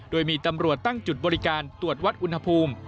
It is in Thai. โดยมีตำรวจตั้งจุดบริการตรวจวัดอุณหภูมิ